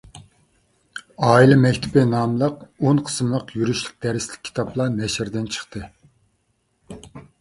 «ئائىلە مەكتىپى» ناملىق ئون قىسىملىق يۈرۈشلۈك دەرسلىك كىتابلار نەشردىن چىقتى.